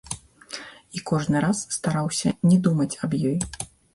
І кожны раз стараўся не думаць аб ёй.